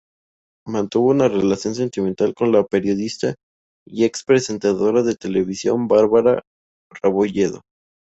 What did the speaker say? Mantuvo una relación sentimental con la periodista y ex presentadora de televisión Bárbara Rebolledo.